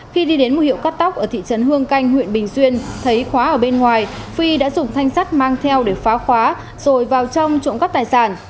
khi đi đến một hiệu cắt tóc ở thị trấn hương canh huyện bình xuyên thấy khóa ở bên ngoài phi đã dùng thanh sắt mang theo để phá khóa rồi vào trong trộm cắp tài sản